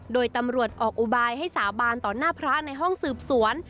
โดยตำรวจออกอุบายให้สาบานต่อหน้าพระในห้องสืบสวน